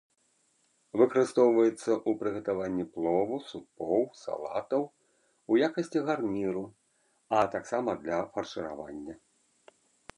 Выкарыстоўваецца ў прыгатаванні плову, супоў, салатаў, у якасці гарніру, а таксама для фаршыравання.